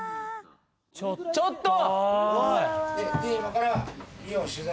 ・ちょっと！